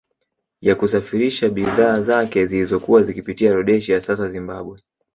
Ya kusafirisha bidhaa zake zilizokuwa zikipitia Rhodesia sasa Zimbabwe